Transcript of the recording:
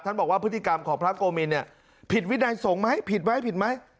ท่านบอกว่าพฤติกรรมของพระโกมินผิดวินัยส่งไหมผิดไหม